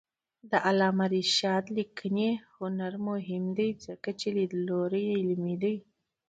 د علامه رشاد لیکنی هنر مهم دی ځکه چې لیدلوری علمي دی.